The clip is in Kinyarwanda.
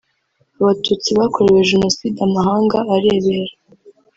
Abatutsi bakorewe Jenoside amahanga arebera